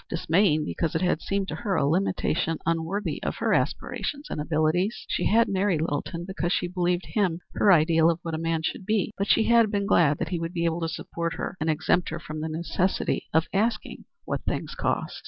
Dismaying because it had seemed to her a limitation unworthy of her aspirations and abilities. She had married Littleton because she believed him her ideal of what a man should be, but she had been glad that he would be able to support her and exempt her from the necessity of asking what things cost.